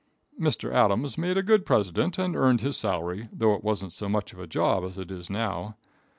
Mr. Adams made a good president and earned his salary, though it wasn't so much of a job as it is now.